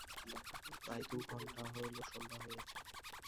প্রায় দুই ঘণ্টা হইল সন্ধ্যা হইয়াছে।